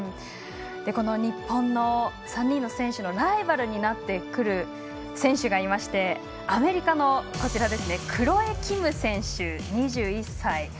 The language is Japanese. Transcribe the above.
日本の３人の選手のライバルになってくる選手がアメリカのクロエ・キム選手２１歳。